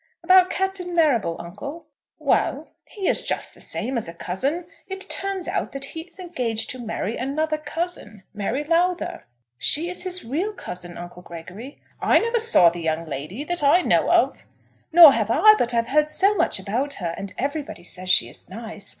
"About Captain Marrable, uncle?" "Well, he is just the same as a cousin; it turns out that he is engaged to marry another cousin, Mary Lowther." "She is his real cousin, Uncle Gregory." "I never saw the young lady, that I know of." "Nor have I, but I've heard so much about her! And everybody says she is nice.